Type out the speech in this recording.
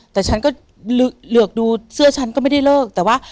แต่ฉันก็เหลือกดูเสื้อฉันก็ไม่ได้เลิกแต่ว่า